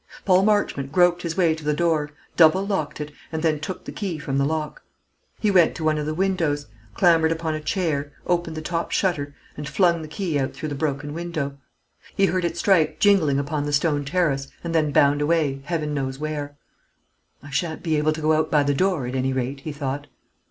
Paul Marchmont groped his way to the door, double locked it, and then took the key from the lock. He went to one of the windows, clambered upon a chair, opened the top shutter, and flung the key out through the broken window. He heard it strike jingling upon the stone terrace and then bound away, Heaven knows where. "I shan't be able to go out by the door, at any rate," he thought.